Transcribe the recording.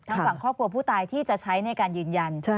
ฝั่งครอบครัวผู้ตายที่จะใช้ในการยืนยัน